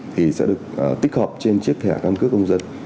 thì sẽ được tích hợp trên chiếc thẻ căn cước công dân